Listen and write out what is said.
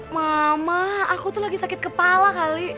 mama aku tuh lagi sakit kepala kali